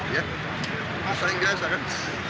ya bersaing biasa kan